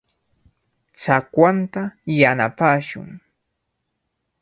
Chakwanta yanapashun.